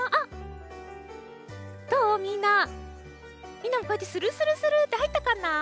みんなもこうやってスルスルスルッてはいったかな？